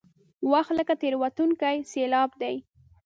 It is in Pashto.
وخت لکه تېرېدونکې سیلاب دی.